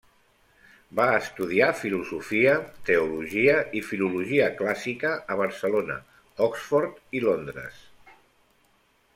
Va estudiar Filosofia, Teologia i Filologia Clàssica a Barcelona, Oxford i Londres.